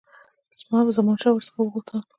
زمانشاه ور څخه وغوښتل.